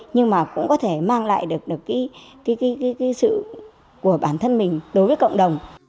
nhưng mà cũng có thể mang lại được sự của bản thân mình đối với cộng đồng